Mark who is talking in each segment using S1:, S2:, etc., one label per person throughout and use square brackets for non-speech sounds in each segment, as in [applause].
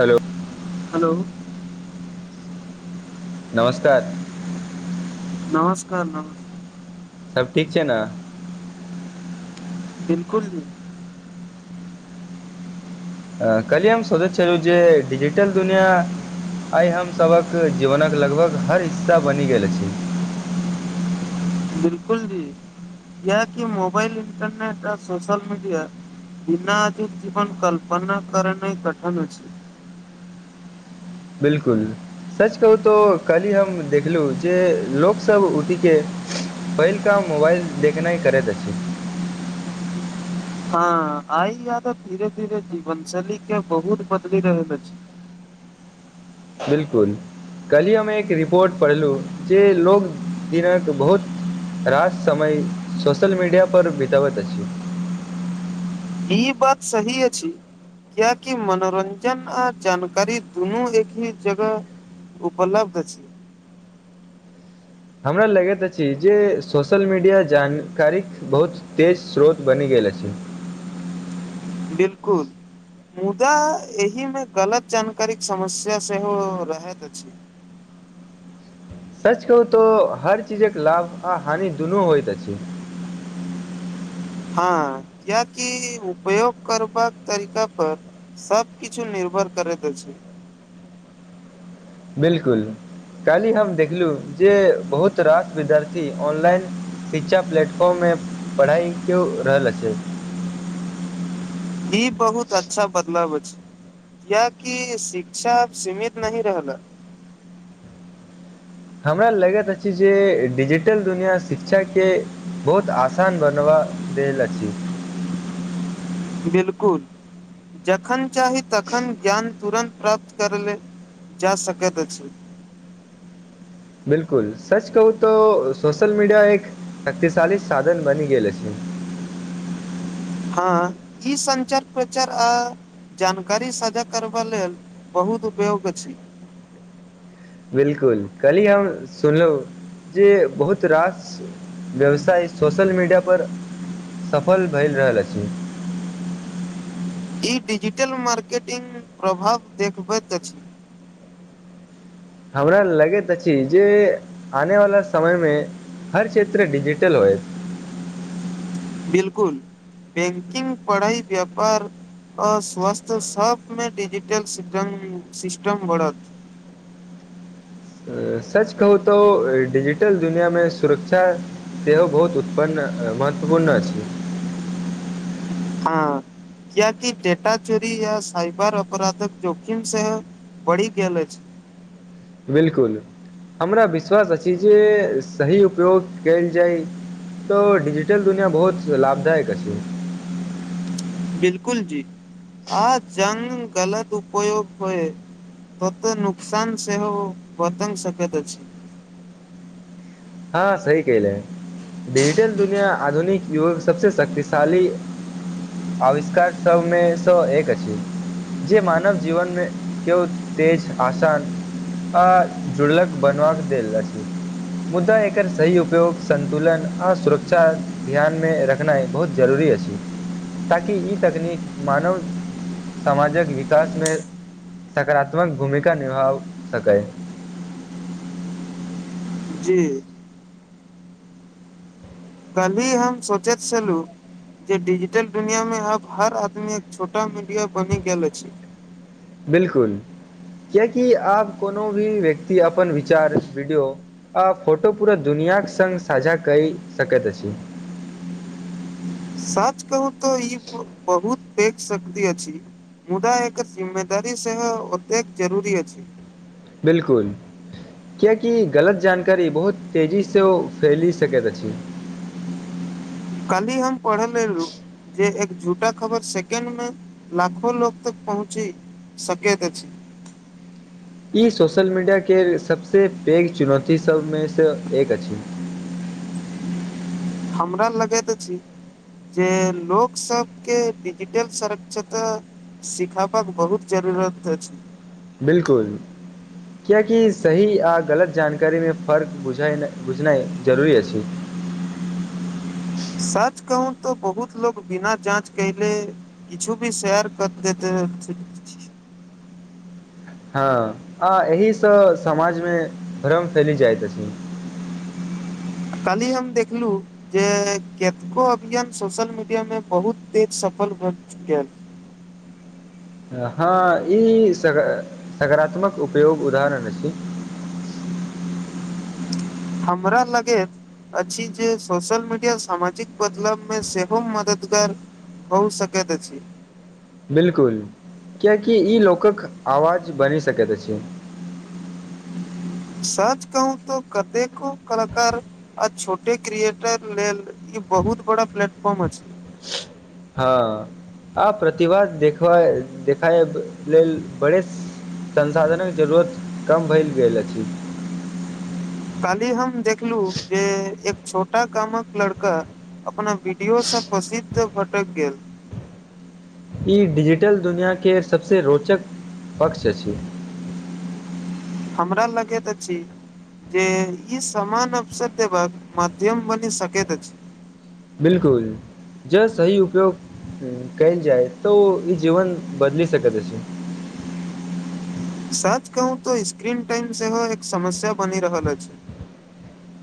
S1: Hello [inaudible]
S2: हलो
S1: नमस्कार
S2: नमस्कार नम
S1: सब ठीक छैय ने
S2: बिल्कुल जी
S1: कल्हि हम सोचैत छलहुँ जे डिजिटल दुनिया आइ हमसबक जीवनक लगभग हर हिस्सा बनि गेल अछि।
S2: बिल्कुल जी कियाकी मोबाइल इंटरनेट आ सोशल मीडिया। बिना अधिक जीवन कल्पना करने कठन होय छै।
S1: बिल्कुल। सच कहू तोऽ काल्हि हम देखलहुँ जे लोकसब उठि के पहिलकाम मोबाइल देखनाय करैत अछि
S2: हँ आइ यात धीरे धीरे जीवन शैली के बहुत बदली रहल अछि
S1: बिल्कुल कल्हि हम एक रिपोर्ट पढ़लु जे लोग दिनक बहुत रास समय सोशल मीडिआ पर बिताबत अछि।
S2: ई बात सहीये छै। कियाकी मनोरञ्जन आ जानकारी दुनू एक ही जगह। उपलब्ध छै
S1: हमरा लगैत अछि जे सोशल मीडिया जानकारीक। बहुत तेज स्रोत बनि गेल अछि।
S2: बिल्कुल। मुदा एहि मे गलत जानकारी के समस्या सेहो रहैत अछि।
S1: सच कहू तोऽ हर चीजक लाभ आ हानि दुनू होइत अछि।
S2: हँ क्याकी उपयोग करबाक तरिका पर। सबकिछु निर्भर करैत अछि।
S1: बिल्कुल कालहि हम देखलू जे बहुत रास विद्यार्थी ऑनलाइन। शिक्षा प्लेटफॉर्म मे पढ़ाई क्यो रहल अछी।
S2: ई बहुत अच्छा बदलाव अछि। कियाकी शिक्षा सीमित नहि रहल।
S1: हमरा लगैत अछि जे डिजिटल दुनिआँ शिक्षाके। बहुत आसान बनबा देल अछि।
S2: बिल्कुल। जखन चाही तखन ज्ञान तुरन्त प्राप्त करले जा सकैत अछि।
S1: बिल्कुल सच कहू तोऽ सोशल मीडिया एक शक्तिशाली साधन बनि गेल अछी।
S2: हँ ई संञ्चार प्रचार आ। जानकारी सझा करबा लेल बहुत उपयोग अछी।
S1: बिल्कुल कल्ही हम सुनलौं जे बहुत रास। व्यवसाय सोशल मीडिया पर सफल भए रहल अछि।
S2: ई डिजिटल मार्केटिंगग प्रभाव देखबैत अछि।
S1: हमरा लगैत अछि जे आने वाला समय मे। हर क्षेत्र डीजिटल होएत।
S2: बिल्कुल बैंकिंग पढ़ाइ व्यापार अ स्वस्थ सब। [unintelligible] डिजिटल सिस्टम बढ़त।
S1: सच कहू तोऽ डिजिटल दुनियामे सुरक्षा। सेहो बहुत उत्पन्न महत्वपूर्ण अछि।
S2: हँ। [unintelligible] कियाकि डेटा चोरी य साइबर अपराधक जोखिम से बढ़ि गेल अछि।
S1: बिलकुल हमरा विश्वास अछि जे सही उपयोग कयल जाय। तऽ डिजिटल दुनिआ बहुत लाभदायक अछि।
S2: बिलकुल जी आ जंग गलत उपयोग होय। तत नुकसान सेहो बतंग सकैत छै।
S1: हँ सही कलहाँ डिजिटल दुनिया आधुनिक युग सबसँ शक्तिशाली आविष्कार सबमे सए एक अछि। जे मानव जीवन मे के तेज आसान आ झुलक बनव के देला अछी। मुद्दा एकर सही उपयोग सन्तुलन आ सुरक्षा ध्यान मे रखनाइ बहुत जरूरी अछि, ताकि ई तकनीक मानव समाजक विकास मे सकारात्मक भूमिका निभा सकय
S2: जी। कली हम सोचैत छलहु जे डिजिटल दुनिया में आब हर आदमी एक छोटा मीडिया बनि गेल अछि।
S1: बिलकुल कियकि आब कोनो भी व्यक्ति अपन विचार वीडियो आ फोटो पूरा दुनिआक सङ्ग साझा क सकैत अछि
S2: सच कहू तऽ ई बहुत फेक शक्ति अछि। मुदा एकर जिम्मेदारी सेहो ओतेक जरुररी अछि।
S1: बिलकुल कियकि गलत जानकारी बहुत तेजी सँ ओ फैलि सकैत अछि।
S2: कली हम पढ़ल मे रु जे एक झूठा खबर सेकेंडमे लाखो लोक तक पहुँचे सकेत अछि।
S1: ई सोशल मीडियाके सभसँ पैघ चुनौती सभमेसँ एक अछि।
S2: हमरा लगे तऽ अछी जे लोक सबके डिजिटल सरक्षता सिखबाक बहुत जरूरत अछै।
S1: बिलकुल कियाकि सही आ गलत जानकारीमे फर्क बुझ बुझनाइ जरुरी अछि। [unintelligible]
S2: सच कहू तऽ बहुत लोक बिना जाँच केहीले किछु भी शेयर कर देते।
S1: हँ आ एहिसँ समाजमे भ्रम फैल जाइत अछि।
S2: काली हम देखलहुँ। जे कतको अभियान सोशल मीडिया मे बहुत तेज सफल भऽ गेल।
S1: हँ ई स सकारात्मक उपयोग उदाहरण छी।
S2: अमरााल लगेत अछि जे सोशल मीडिया सामाजिक बदलावमे सेहो मददगार बहु सकत अछी
S1: बिल्कुल कियकि ई लोकक आवाज बनि सकैत अछि।
S2: सच कहू तो कतेकेकू कलाक आ छोटे क्रिएटर लेल ई बहुत बड़ा प्लेटफॉर्म अछि।
S1: [unintelligible] हँ आ प्रतिभा देखबै देखैब लेल बड़े स संसाधन कऽ जरूरत कम भेल गेल अछि।
S2: काल्हि हम देखलू जे एक छोटा कामक लड़का अपना वीडियो से प्रसिद्ध भटक गेल
S1: ई डिजिटल दुनिया केँ सब से रोचक पक्ष अछि।
S2: हमरा लगैतत अछी जे ई समन अबसर देबक मध्यम बनी सकैत अछी
S1: बिल्कुल जे सही उपयोग कैल जाय तो ई जीवन बदलि सकैत अछी
S2: साच कहू तो स्क्रीन टाइम सेहो एक समस्या बनी रहल अछि।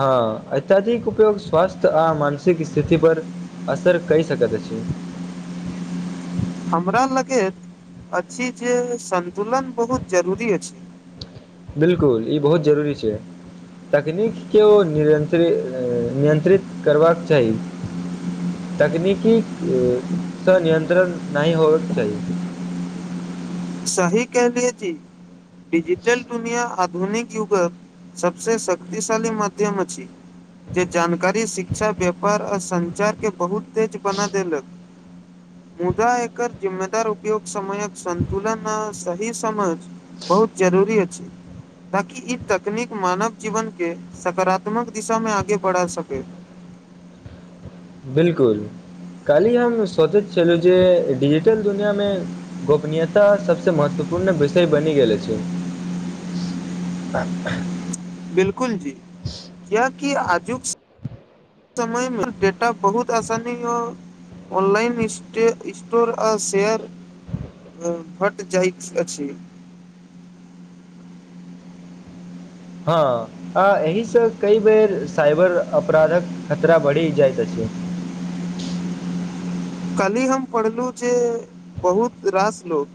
S1: हऽ अत्यधिक उपयोग स्वास्थ्य आ मानसिक स्थिति पर असर कै सकैत अछि।
S2: हमरा लगैत अछि जे संतुलन बहुत जरूरी अछि।
S1: बिल्कुल ई बहुत जरूरी छै। तकनीक केँ ओ नियंत्रित [unintelligible] नियंत्रित करबाक चाही। तकनीकी स नियंत्रण नहीं होवै कऽ चाही।
S2: सही कहलियए जी [inaudible] डिजिटल दुनिया आधुनिक युग सबसे शक्तिशाली माध्यम अछि। जे जानकारी शिक्षा व्यापार आ संचार केँ बहुत तेज बना देलक [inaudible] मुदा एकर जिम्मेदार उपयोग समय कऽ संग तुलना सही समझ बहुत जरूरी अछि। ताकि ई तकनीक मानव जीवन केँ सकारात्मक दिशा में आगे बढ़ा सकै।
S1: बिल्कुल कालहि हम सोचैत छेलु जे डिजिटल दुनिया में गोपनीयता सबसे महत्वपूर्ण विषय बनी गेले अछी [unintelligible]
S2: बिल्कुल जी किया की आजुक समय मे डेटा बहुत आसानी यौ ऑनलाइन [unintelligible] स्टोर आ शेयर फट जाइ अछी
S1: हऽ आ एहि स कई बेर साइबर अपराधक खतरा बड़ही जाइत अछी
S2: कल्ही हम पढ़लु जे बहुत रास लोक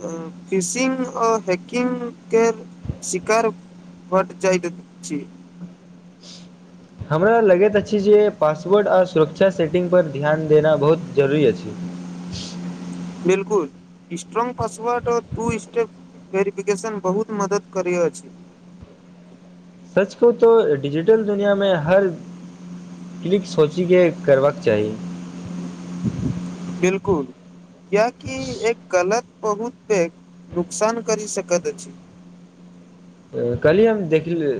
S2: [inaudible] फिशिंग आ हैकिंग केँ शिकार - बढ़ ज़ैत छी।
S1: हमरा लगैत अछि जे पासवर्ड आ सुरक्षा सेटिंगपर ध्यान देनाइ बहुत जरुरी अछि।
S2: बिल्कुल strong password two step verification बहुत मदद करै अछि।
S1: सच कहूँ तो डिजिटल दुनिया में हर। क्लिक सोचि केँ करबाक चाही [inaudible]
S2: बिल्कुल किया की एक गलत बहुत पेघ नुकसान करी सकैत अछि।
S1: कहलियै हम देखली।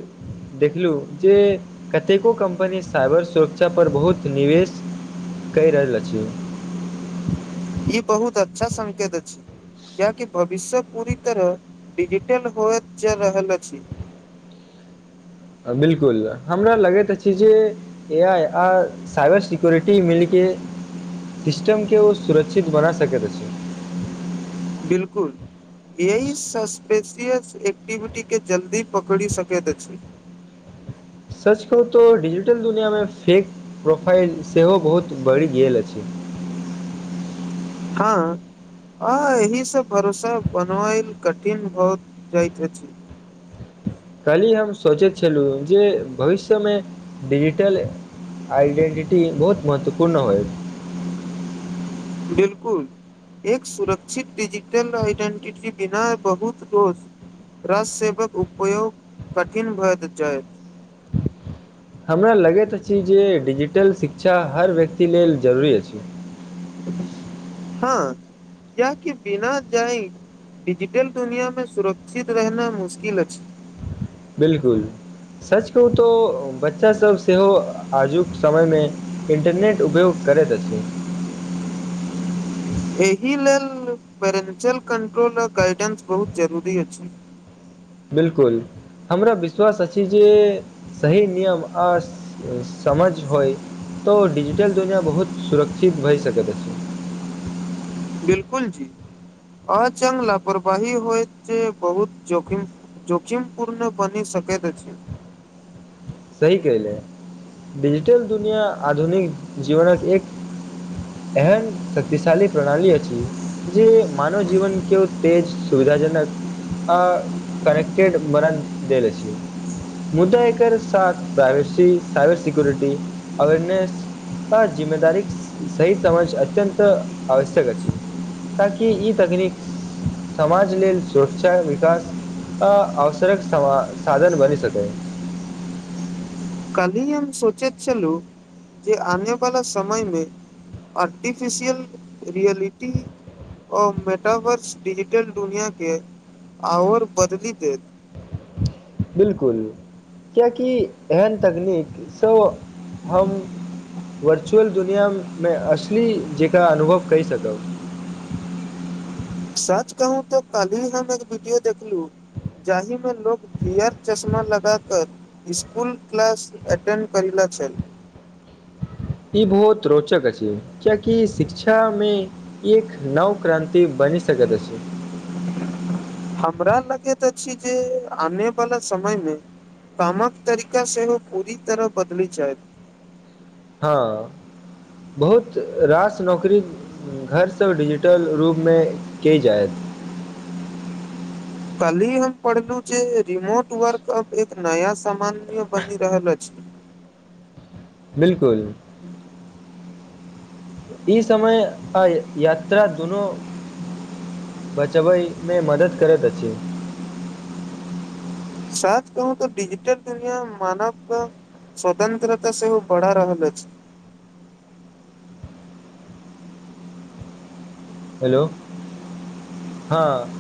S1: देखलू जे कतेको कम्पनी साइबर सुरक्षा पर बहुत निवेश। कैह रहल छी।
S2: ई बहुत अच्छा संकेत अछि। कियाकि भविष्य पूरी तरह डिजिटल होएत जा रहल अछि।
S1: बिल्कुल हमरा लगैत अछि जे, ए आइ आ साइबर सिक्योरिटी मिलके, सिस्टमके ओ सुरक्षित बना सकैत अछि।
S2: बिल्कुल। ए आय सस्पेशियस एक्टिविटी के जल्दी पकड़ि सकैत अछि।
S1: सच कहु तऽ डिजिटल दुनियाँमे फेक प्रोफाइल सेहो बहुत बढ़ि गेल अछि।
S2: हँ हँ एहि सब भरोसा बनबैल कठिन हो जाइत अछि।
S1: कल्हि हम सोचैत छलहुँ जे भविष्यमे डिजिटल, आइडेन्टिटी बहुत महत्वपूर्ण होयत,
S2: बिल्कुल एक सुरक्षित डिजिटल आइडेंटिटी बिना बहुत रोज रास सेबक उपयोग कठिन भएत जाय,
S1: हमरा लगैत अछि जे डिजिटल शिक्षा हर व्यक्ति लेल जरूरी अछि।
S2: हँ कियेकि बिना जाइन डीजिटल दुनियाँ मे सुरक्षित रहना मुश्किल अछि।
S1: बिल्कुल सच कहू तो बच्चासभ सेहो आजुक समयमे, इंटरनेट उपयोग करैत अछि।
S2: एहि लेल पेरेंटियल कंट्रोल आ गाइडेंस बहुत जरूरी अछि।
S1: बिल्कुल हमरा विश्वास अछि जेँ सही नियम आ समझ होइ तो डिजिटल दुनियाँ बहुत सुरक्षित भए सकैत अछि।
S2: बिल्कुल जी अचंग लापरवाही होएत जे बहुत जोखिम जोखिम पुर्ण बनी सकैत अछि।
S1: सही कहले डिजिटल दुनियाँ आधुनिक जीवनक एक एहन शक्तिशाली प्रणाली अछि। जे मानव जीवन केओ तेज सुविधाजनक आ करेक्टेड मरण देल अछि मुदा एकर साथ प्राइवेसी साइबर सिक्योरिटी अवेयरनेस आ जिम्मेदारीक सही समझ अत्यन्त आवश्यक अछि। ताकि ई तकनीक समाज लेल सुरक्षा विकास आ अवसरक सवा साधन बनि सकै।
S2: कल्हि हम सोचैत छलु जेँ आने वाला समय मे आर्टीफिसियल रियलिटी ओ मेटावर्स डिजिटल दुनियाँ के आओर बदली देत
S1: बिल्कुल किएकि एहन तकनीकसँ हम वर्चुअल दुनियाँमे असली जेकाँ अनुभव कइ सकब
S2: सच कहू तऽ कल्हि हम एक वीडियो देखलू जाहि मे लोग पियर चश्मा लगा कऽ स्कूल क्लास एटेण्ड करिला छल
S1: ई बहुत रोचक अछि कियेकी शिक्षामे ई एक नव क्रान्ति बनि सकत अछि।
S2: हमरा लगैत अछि जेँ आने वाला समयमे कामक तरीका सेहो पूरी तरह बदली जायत
S1: हाँ बहुत रास नौकरी घर सँ डिजिटल रूपमे केयल जायत
S2: काल्हि हम पढ़लूँ जे रिमोट वर्क अब एक नया सामानिय बनि रहल अछि
S1: बिल्कुल ई समय आ यात्रा दुनू बचबैमे मदद करैत अछि
S2: सच कहू तऽ डिजिटल दुनिया मानव कऽ स्वतंत्रता सेहो बढ़ा रहल अछि
S1: हेलो हाँ